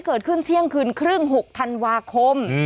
เกิดขึ้นเที่ยงคืนครึ่ง๖ธันวาคม